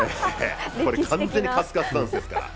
完全にカスカスダンスですから。